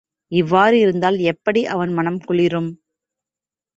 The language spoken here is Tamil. இவ்வாறு இருந்தால் எப்படி அவன் மனம் குளிரும்?